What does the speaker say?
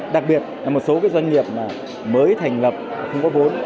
đặc biệt là một số doanh nghiệp mới thành lập không có vốn